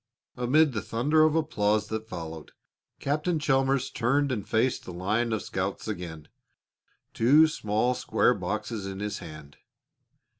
Amid the thunder of applause that followed, Captain Chalmers turned and faced the line of scouts again, two small square boxes in his hand.